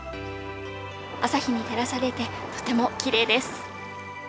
朝日に照らされて、とてもきれいです。